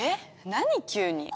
何急に？